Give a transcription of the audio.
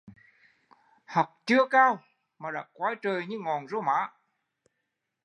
Học chưa cao mà đã coi trời như ngọn rau má